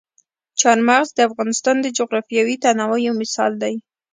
چار مغز د افغانستان د جغرافیوي تنوع یو مثال دی.